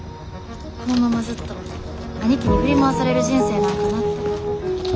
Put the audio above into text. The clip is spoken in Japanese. このままずっと兄貴に振り回される人生なんかなって。